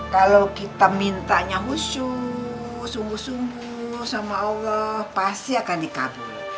kalau kita mintanya husu sungguh sungguh sama allah pasti akan dikabul